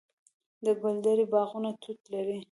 د ګلدرې باغونه توت لري.